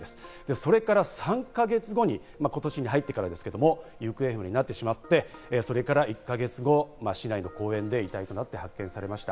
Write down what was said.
それから３か月後に今年に入ってからですけど、行方不明になってしまって、それから１か月後、市内の公園で遺体となって発見されました。